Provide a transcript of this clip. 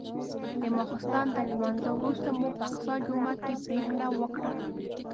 د ماسختن تر لمانځه وروسته مو په اقصی جومات کې پرېکړه وکړه.